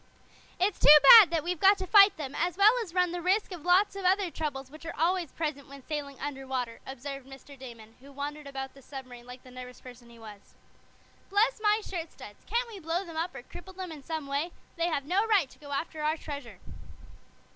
"It's too bad that we've got to fight them, as well as run the risk of lots of other troubles which are always present when sailing under water," observed Mr Damon, who wandered about the submarine like the nervous person he was. "Bless my shirt studs! Can't we blow them up, or cripple them in some way? They have no right to go after our treasure."